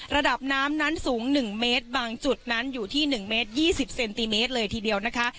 ระดับน้ำนั้นสูง๑เมตรบางจุดนั้นอยู่ที่๑เมตร๒๐เซนติเมตรเลยทีเดียวนะคะ